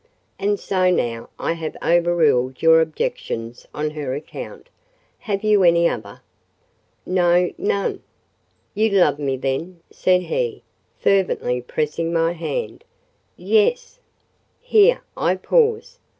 And so now I have overruled your objections on her account. Have you any other?" "No—none." "You love me then?" said he, fervently pressing my hand. "Yes." Here I pause.